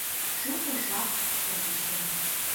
Шуко жап чытышым.